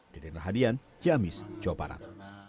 deden rahadian ciamis jawa barat